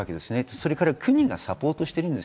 それから国がサポートしているわけです。